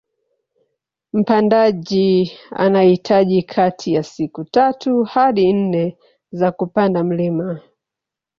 Mpandaji anahitaji kati ya siku tatu hadi nne za kupanda mlima